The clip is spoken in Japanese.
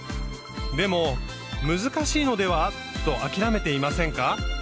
でも難しいのでは？と諦めていませんか？